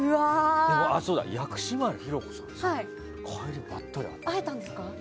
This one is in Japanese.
そうだ、薬師丸ひろ子さんに帰り、ばったり会ってさ。